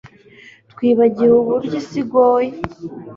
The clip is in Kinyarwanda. Twibagiwe uburyo isi igoye